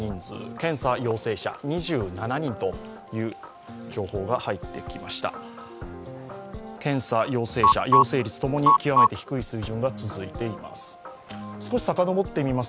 検査、陽性率共に極めて低い水準が続いています。